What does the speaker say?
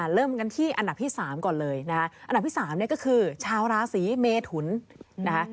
เริ่มกันที่อันดับที่๓ก่อนเลยอันดับที่๓ก็คือชาวราศีเมทุน